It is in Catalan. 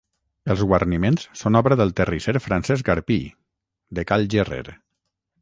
Els guarniments són obra del terrisser Francesc Arpí, de Cal Gerrer.